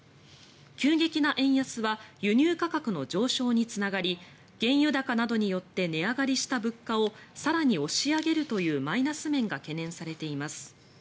急激な円安は輸入価格の上昇につながり原油高などによって値上がりした物価を更に押し上げるというマイナス面が懸念されています。